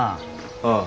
ああ。